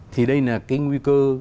thì đây là cái nguy cơ